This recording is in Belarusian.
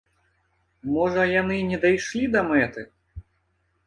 Можа яны не дайшлі да мэты?